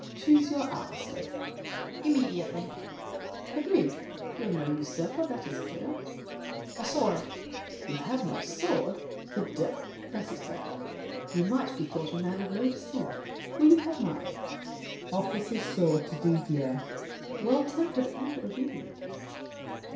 Choose your hour, sir. DIDIER. Immediately! SAVERNY. Agreed! You're no usurper, that is clear. DIDIER. A sword! SAVERNY. You have no sword? The devil! that is bad. You might be thought a man of low descent. Will you have mine? [Offers his sword to Didier. Well tempered and obedient!